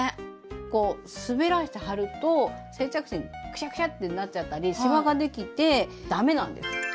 こう滑らして貼ると接着芯クシャクシャってなっちゃったりシワができてだめなんです。